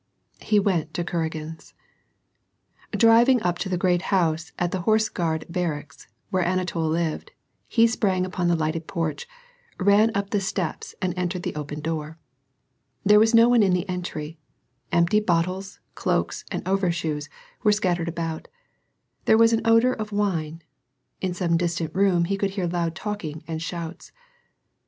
He went to Kuragin's. Driving up to the great house at the Horse Guard barracks, where Anatol lived, he sprang upon the lighted porch, ran up the steps and entered the open door. There was no one in the entry; empty bottles, cloaks, and overshoes were scattered about ; there was an odor of wine ; in some distant room he could hear loud talking and shouts.